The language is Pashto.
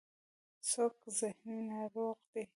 څوک ذهني ناروغ دی.